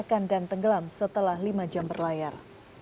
bahkan dan tenggelam setelah lima jam berlayar